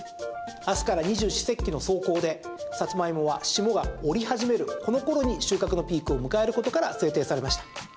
明日から二十四節気の霜降でサツマイモは霜が降り始めるこの頃に収穫のピークを迎えることから制定されました。